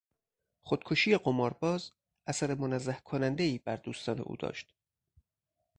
خودکشی قمارباز اثرمنزه کنندهای بر دوستان او داشت.